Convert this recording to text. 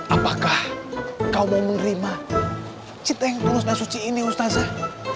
apakah kau mau menerima cita yang tulus dan suci ini ustazah